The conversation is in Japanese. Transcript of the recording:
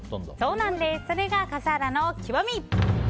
それが笠原の極み！